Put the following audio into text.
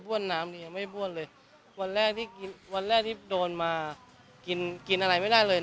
บ้วนน้ำยังไม่บ้วนเลยวันแรกที่โดนมากินอะไรไม่ได้เลย